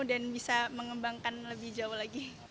dan bisa mengembangkan lebih jauh lagi